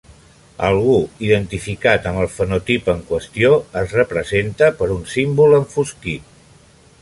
Algú identificat amb el fenotip en qüestió es representa per un símbol enfosquit.